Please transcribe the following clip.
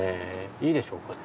いいでしょうかね？